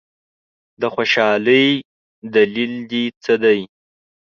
د خوشالۍ دلیل دي څه دی؟